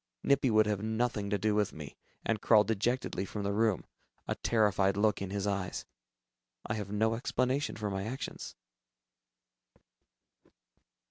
Nippy would have nothing to do with me, and crawled dejectedly from the room, a terrified look in his eyes. I have no explanation for my actions.